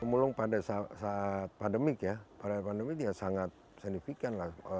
pembulung pada saat pandemi ya pada saat pandemi ya sangat signifikan lah